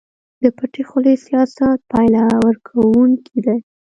د پټې خولې سياست پايله ورکوونکی دی.